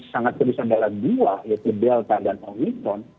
sangat terdekat dalam dua yaitu delta dan omnitron